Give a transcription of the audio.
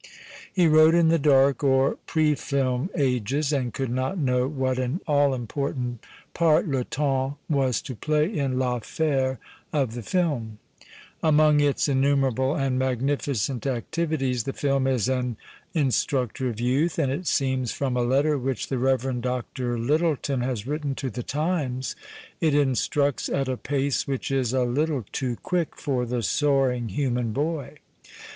He wrote in the dark or pre film ages, and could not know what an all important part le temps was to play in Vaffnire of the film. Among its innumerable and magnificent activities the film is an instructor of youth, and it seems, from a letter which the Rev. Dr. Lyttelton has written to TJie Times, it instructs at a pace which is a little too quick for the soaring human boy.